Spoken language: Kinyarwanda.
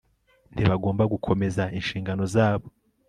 ntibagomba gukomeza inshingano zabo